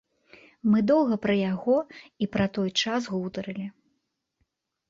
Мы доўга пра яго і пра той час гутарылі.